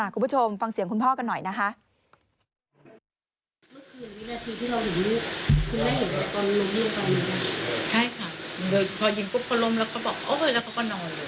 คุณผู้ชมฟังเสียงคุณพ่อกันหน่อยนะคะ